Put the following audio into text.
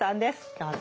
どうぞ。